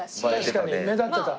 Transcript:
確かに目立ってた。